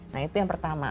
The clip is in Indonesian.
nah itu yang pertama